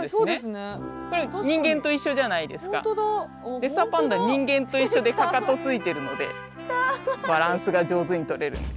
レッサーパンダ人間と一緒でかかとついてるのでバランスが上手にとれるんです。